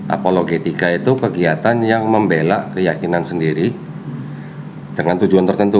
apologetika itu kegiatan yang membelak keyakinan sendiri dengan tujuan tertentu